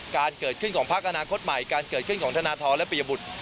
การเกิดขึ้นของพักอนาคตใหม่การเกิดขึ้นของธนทรและปียบุตร